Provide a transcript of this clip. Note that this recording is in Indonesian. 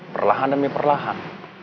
perlahan demi perlahan